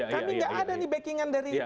kami nggak ada nih backing an dari